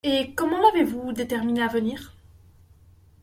Et comment l’avez-vous déterminée à venir ?…